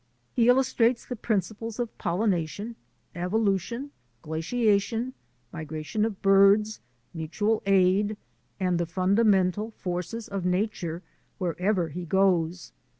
He illustrates the principles of pol lination, evolution, glaciation, migration of birds, mutual aid, and the fundamental forces of nature wherever he goes.